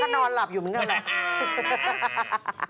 มันก็นอนหลับอยู่มันก็นอน